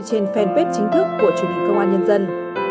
trên fanpage chính thức của chủ nhật công an nhân dân